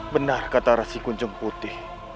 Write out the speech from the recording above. benar kata rasi kunjung putih